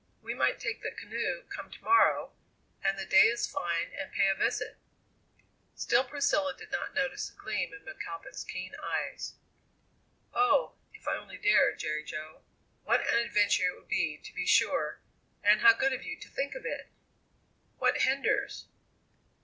We might take the canoe, come to morrow, and the day is fine, and pay a visit." Still Priscilla did not notice the gleam in McAlpin's keen eyes. "Oh! if I only dared, Jerry Jo! What an adventure it would be, to be sure. And how good of you to think of it." "What hinders?"